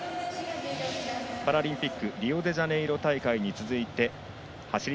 パラリンピックリオデジャネイロ大会に続いて走り